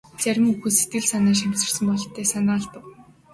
Зарим хүүхэд сэтгэл шимширсэн бололтой санаа алдав.